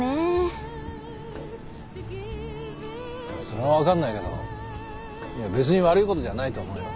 それは分かんないけど別に悪いことじゃないと思うよ。